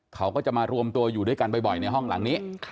เขาก็จะมารวมตัวอยู่ด้วยกันบ่อยในห้องหลังนี้